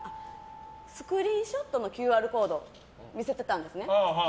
スクリーンショットのＱＲコードを見せてたんですね。